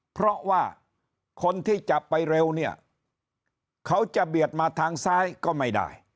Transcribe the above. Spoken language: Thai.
เพราะว่าคนที่จะไปเร็วเนี่ยเขาจะเบียดมาทางซ้ายก็ไม่ได้